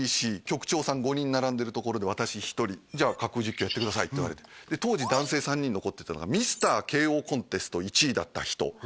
ＣＢＣ局長さん５人並んでる所で私１人「じゃあ架空実況やってください」って言われて当時男性３人残ってたのがミスター慶応コンテスト１位だった人